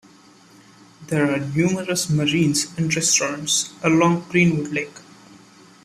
There are numerous marinas and restaurants along Greenwood Lake.